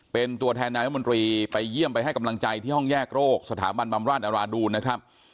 เป็นตัวแทนนายรัฐมนตรีไปเยี่ยมไปให้กำลังใจที่ห้องแยกโรคสถาบันบำราชอราดูนนะครับ